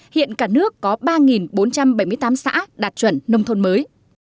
hiện cả nước có ba bốn trăm bảy mươi tám xã đạt chuẩn nông thôn mới